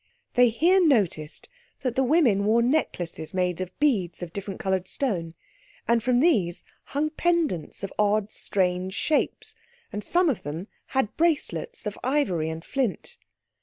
They here noticed that the women wore necklaces made of beads of different coloured stone, and from these hung pendants of odd, strange shapes, and some of them had bracelets of ivory and flint.